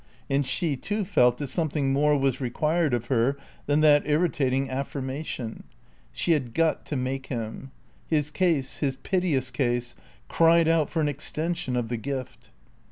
And she too felt that something more was required of her than that irritating affirmation. She had got to make him. His case, his piteous case, cried out for an extension of the gift.